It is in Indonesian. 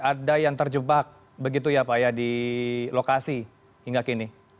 ada yang terjebak begitu ya pak ya di lokasi hingga kini